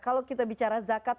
kalau kita bicara zakat